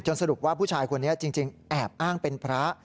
สรุปว่าผู้ชายคนนี้จริงแอบอ้างเป็นพระ